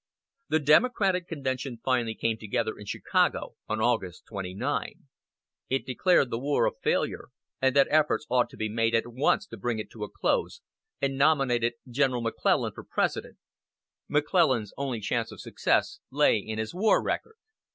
The Democratic convention finally came together in Chicago on August 29. It declared the war a failure, and that efforts ought to be made at once to bring it to a close, and nominated General McClellan for President McClellan's only chance of success lay in his war record.